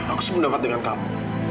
aku sempat dengan kamu